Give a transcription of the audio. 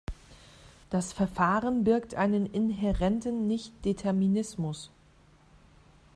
Das Verfahren birgt einen inhärenten Nichtdeterminismus.